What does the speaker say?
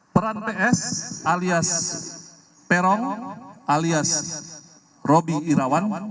peran ps alias perong alias robi irawan